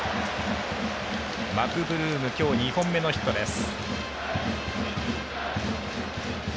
マクブルーム今日２本目のヒットです。